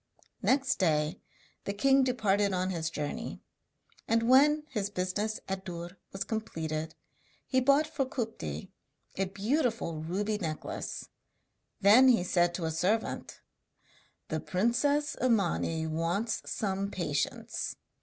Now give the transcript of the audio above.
Next day the king departed on his journey, and when his business at Dûr was completed he bought for Kupti a beautiful ruby necklace. Then he said to a servant: 'The princess Imani wants some patience.